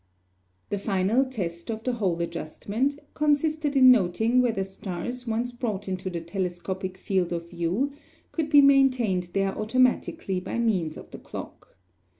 The final test of the whole adjustment consisted in noting whether stars once brought into the telescopic field of view could be maintained there automatically by means of the clock.